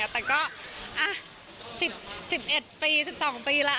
แต่ก็๑๑ปี๑๒ปีแล้ว